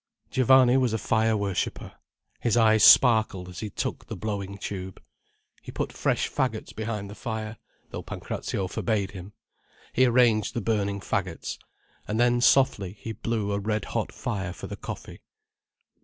Giovanni was a fire worshipper. His eyes sparkled as he took the blowing tube. He put fresh faggots behind the fire—though Pancrazio forbade him. He arranged the burning faggots. And then softly he blew a red hot fire for the coffee.